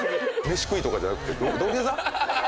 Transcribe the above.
飯食いとかじゃなくて土下座？